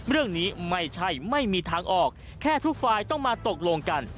เรื่องนี้ไม่ใช่ไม่มีทางออกแค่ทุกฝ่ายต้องมาตกลงกัน